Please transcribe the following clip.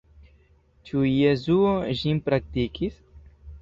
Ĉu Jesuo ĝin praktikis?